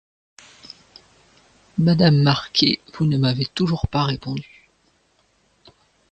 Madame Marquet, vous ne m’avez toujours pas répondu.